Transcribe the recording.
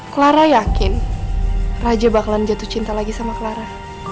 clara yakin raja bakalan jatuh cinta lagi sama clara